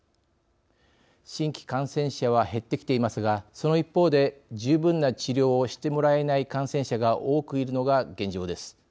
新規感染者は減ってきていますがその一方で十分な治療をしてもらえない感染者が多くいるのが現状です。